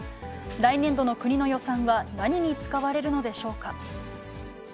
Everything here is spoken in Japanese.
来年度の国の予算は何に使われるのでしょうか。